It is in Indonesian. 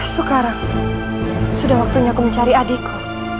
sekarang sudah waktunya aku mencari adikku